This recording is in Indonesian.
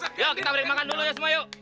ayo kita break makan dulu ya semua yuk